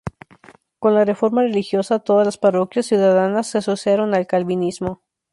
Con la Reforma religiosa, todas las parroquias ciudadanas se asociaron al Calvinismo.